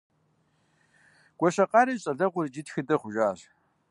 Гуащэкъарэ и щӀалэгъуэр иджы тхыдэ хъужащ.